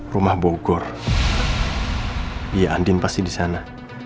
rumah bogor iya andien pasti di sana